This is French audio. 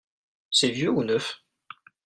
C'est vieux ou neuf ?